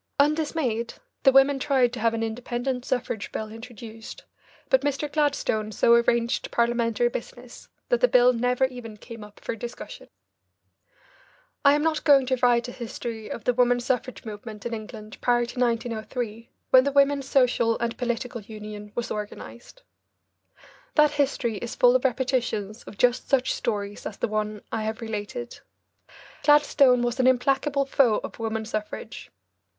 Undismayed, the women tried to have an independent suffrage bill introduced, but Mr. Gladstone so arranged Parliamentary business that the bill never even came up for discussion. I am not going to write a history of the woman suffrage movement in England prior to 1903, when the Women's Social and Political Union was organised. That history is full of repetitions of just such stories as the one I have related. Gladstone was an implacable foe of woman suffrage.